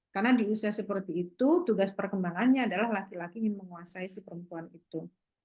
karena di usia seperti itu tugas perkembangannya adalah laki laki yang menguasai si perempuan itu